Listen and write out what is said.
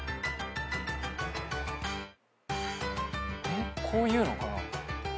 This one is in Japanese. えっこういうのかな？